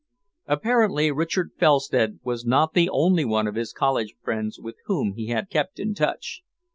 Apparently Richard Felstead was not the only one of his college friends with whom he had kept in touch.